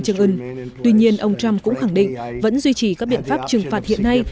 trương ưn tuy nhiên ông trump cũng khẳng định vẫn duy trì các biện pháp trừng phạt hiện nay